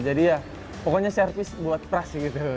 jadi ya pokoknya service buat pras gitu